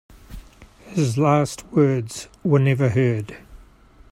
His last words were never heard.